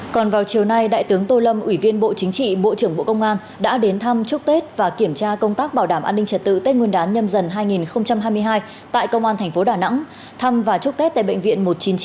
còn vào chiều nay đại tướng tô lâm ủy viên bộ chính trị bộ trưởng bộ công an đã đến thăm chúc tết và kiểm tra công tác bảo đảm an ninh trật tự tết nguyên đán nhâm dần hai nghìn hai mươi hai tại công an tp đà nẵng thăm và chúc tết tại bệnh viện một trăm chín mươi chín